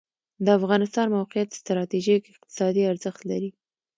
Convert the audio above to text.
د افغانستان موقعیت ستراتیژیک اقتصادي ارزښت لري